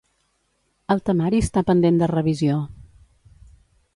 El temari està pendent de revisió.